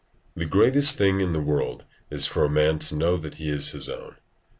The greatest thing in the world is for a man to know that he is his own.